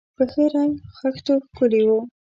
په ښه رنګ خښتو ښکلي و.